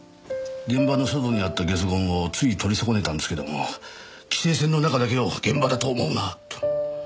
現場の外にあったゲソ痕をついとり損ねたんですけども「規制線の中だけを現場だと思うな！」と。